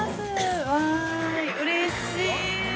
わーい、うれしい。